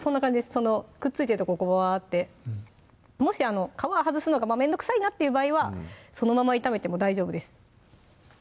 そのくっついてるとこわーってもし皮外すのがめんどくさいなっていう場合はそのまま炒めても大丈夫です